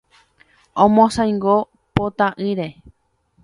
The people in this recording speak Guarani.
Omosãingo potãire.